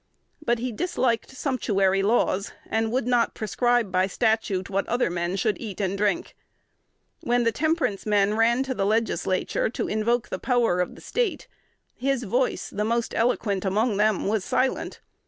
But he disliked sumptuary laws, and would not prescribe by statute what other men should eat or drink. When the temperance men ran to the Legislature to invoke the power of the State, his voice the most eloquent among them was silent.